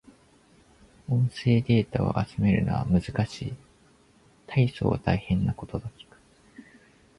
音声データを集めるのは難しい。大層大変なことと聞く。